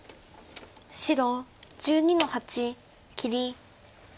白１２の八切り。